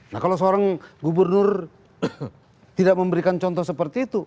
nah kalau seorang gubernur tidak memberikan contoh seperti itu